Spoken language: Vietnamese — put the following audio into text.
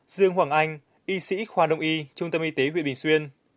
dương hoàng anh y sĩ khoa đông y trung tâm y tế huyện bình xuyên